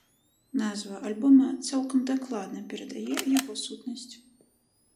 Назва альбома цалкам дакладна перадае яго сутнасць.